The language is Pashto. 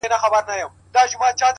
دا زما د کوچنيوالي غزل دی ـ ـ